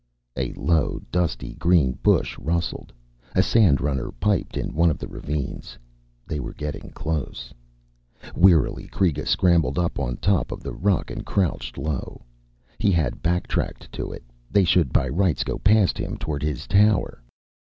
_ A low, dusty green bush rustled. A sandrunner piped in one of the ravines. They were getting close. Wearily, Kreega scrambled up on top of the rock and crouched low. He had backtracked to it; they should by rights go past him toward his tower.